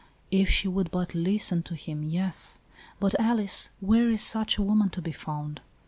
" If she would but listen to him, yes. But, Alice, where is such a woman to be found?